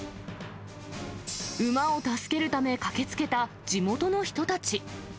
馬を助けるため駆けつけた地元の人たち。